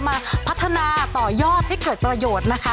มาพัฒนาต่อยอดให้เกิดประโยชน์นะคะ